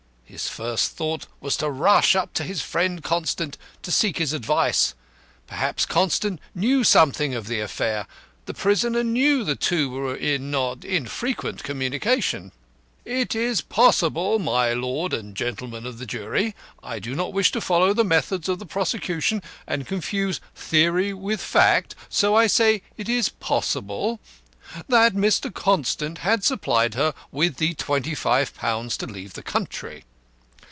His first thought was to rush up to his friend, Constant, to seek his advice. Perhaps Constant knew something of the affair. The prisoner knew the two were in not infrequent communication. It is possible my lord and gentlemen of the jury, I do not wish to follow the methods of the prosecution and confuse theory with fact, so I say it is possible that Mr. Constant had supplied her with the £25 to leave the country.